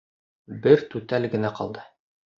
— Бер түтәл генә ҡалды.